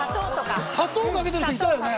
砂糖かけてる人いたよね。